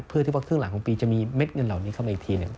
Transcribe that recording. เพื่อที่ว่าครึ่งหลังของปีจะมีเม็ดเงินเหล่านี้